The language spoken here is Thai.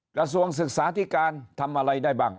กระทรวงศึกษาธิการทำอะไรได้บ้าง